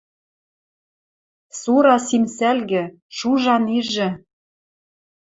Сура симсӓлгӹ, шужан ижӹ.